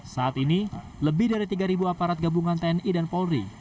saat ini lebih dari tiga aparat gabungan tni dan polri